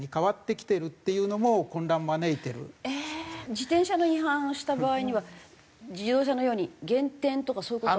自転車の違反した場合には自動車のように減点とかそういう事はないわけ？